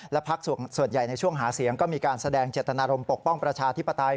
และพักส่วนใหญ่ในช่วงหาเสียงก็มีการแสดงเจตนารมณปกป้องประชาธิปไตย